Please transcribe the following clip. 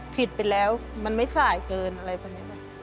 ผิดไปแล้วมันไม่สายเกินอะไรพวกนี้นะ